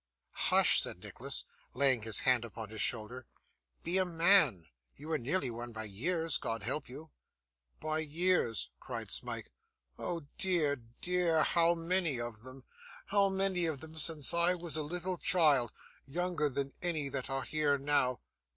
'Hush!' said Nicholas, laying his hand upon his shoulder. 'Be a man; you are nearly one by years, God help you.' 'By years!' cried Smike. 'Oh dear, dear, how many of them! How many of them since I was a little child, younger than any that are here now!